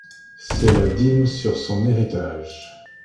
C’est la dîme sur son héritage.